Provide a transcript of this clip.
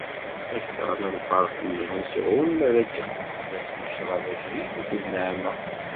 Akter n lferḥ nni i seɛɛun mi ara d-iqwu fell-asen ccrab ajdid akked nneɛma.